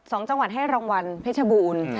จังหวัดให้รางวัลเพชรบูรณ์